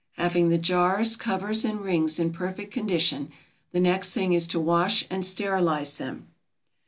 Having the jars, covers, and rings in perfect condition, the next thing is to wash and sterilize them.